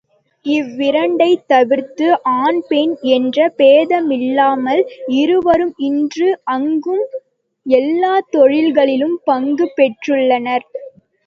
இவ்விரண்டைத் தவிர்த்து ஆண் பெண் என்ற பேதமில்லாமல் இருவரும் இன்று அங்கு எல்லாத் தொழில்களிலும் பங்கு பெற்றுள்ளனர்.